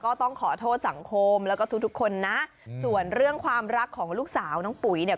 ก็ต้องขอโทษสังคมแล้วก็ทุกทุกคนนะส่วนเรื่องความรักของลูกสาวน้องปุ๋ยเนี่ย